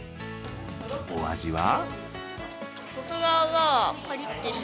お味は？